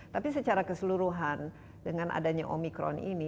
tapi secara keseluruhan dengan adanya omikron ini